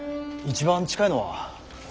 一番近いのは。